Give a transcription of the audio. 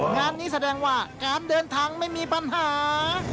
งานนี้แสดงว่าการเดินทางไม่มีปัญหา